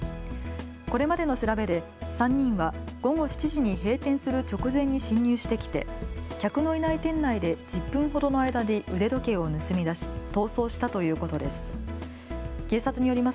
これまでの調べで３人は午後７時に閉店する直前に侵入してきて客のいない店内で１０分ほどの間に腕時計を盗み出し逃走したということです。